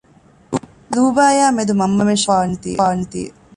ލޫބާޔާމެދު މަންމަމެން ޝައްކުކޮށްފާނެތީ